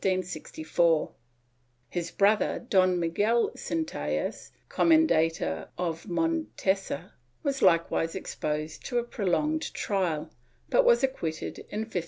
^ His brother, Don Miguel Centellas, Comendador of Mon tesa, was likewise exposed to a prolonged trial, but was acquitted in 1567.